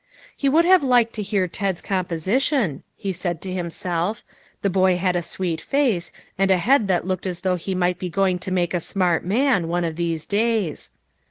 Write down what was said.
He would have liked to hear Ted's composi tion, he said to himself ; the boy had a sweet face, and a head that looked as though he might be going to make a smart man, one of these days.